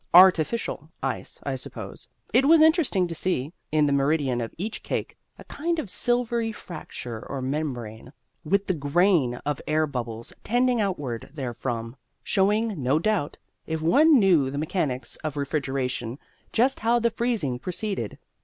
"Artificial" ice, I suppose: it was interesting to see, in the meridian of each cake, a kind of silvery fracture or membrane, with the grain of air bubbles tending outward therefrom showing, no doubt, if one knew the mechanics of refrigeration, just how the freezing proceeded.